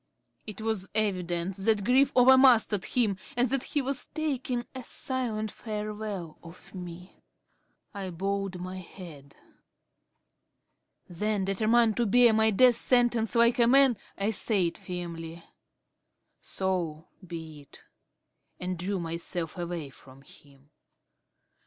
It was evident that grief over mastered him and that he was taking a silent farewell of me. I bowed my head. Then, determined to bear my death sentence like a man, I said firmly, "So be it," and drew myself away from him.